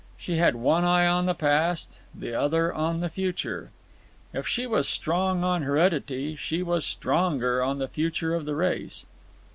She had one eye on the past, the other on the future. If she was strong on heredity, she was stronger on the future of the race.